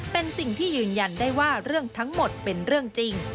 เป็นสิ่งที่ยืนยันได้ว่าเรื่องทั้งหมดเป็นเรื่องจริง